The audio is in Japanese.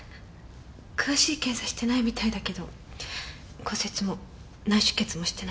詳しい検査してないみたいだけど骨折も内出血もしてないって。